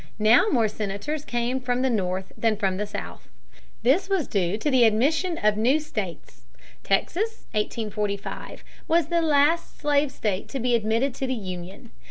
Now more Senators came from the North than from the South. This was due to the admission of new states. Texas (1845) was the last slave state to be admitted to the Union.